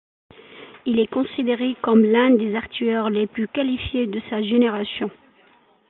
Il est considéré comme l'un des artilleurs les plus qualifiés de sa génération.